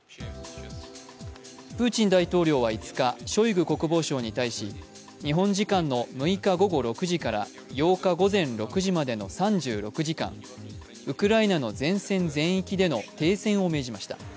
プーチン大統領は５日、ショイグ国防相に対し日本時間の６日午後６時から８日午前６時までの３６時間、ウクライナの前線全域での停戦を命じました。